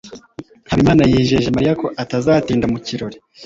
habimana yijeje mariya ko atazatinda mu kirori